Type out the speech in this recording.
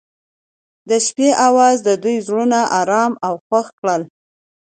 د شپه اواز د دوی زړونه ارامه او خوښ کړل.